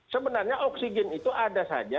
sebenarnya oksigen itu ada saja